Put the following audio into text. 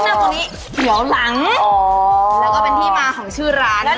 นั่งตรงนี้เสียวหลังอ๋อแล้วก็เป็นที่มาของชื่อร้าน